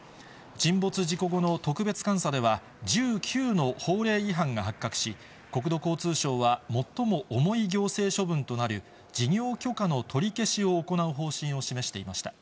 沈没事故後の特別監査では、１９の法令違反が発覚し、国土交通省は、最も重い行政処分となる、事業許可の取り消しを行う方針を示していました。